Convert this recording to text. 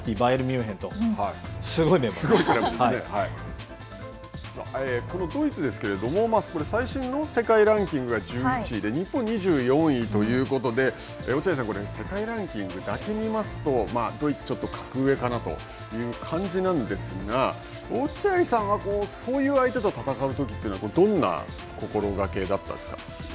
レアル・マドリードドイツですけれども最新の世界ランキングが１１位で日本は２４位ということで落合さん、世界ランキングだけを見ますとドイツちょっと格上かなという感じなんですが、落合さんはそういう相手と戦うときはどんな心がけだったんですか。